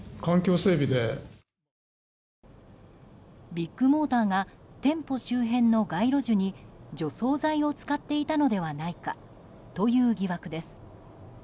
ビッグモーターが店舗周辺の街路樹に除草剤を使っていたのではないかという疑惑です。